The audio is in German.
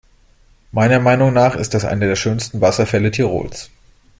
Meiner Meinung nach ist das einer der schönsten Wasserfälle Tirols.